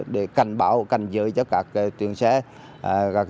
để cảnh báo cảnh giới cho các đoàn liên ngành